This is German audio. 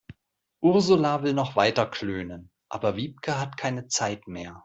Ursula will noch weiter klönen, aber Wiebke hat keine Zeit mehr.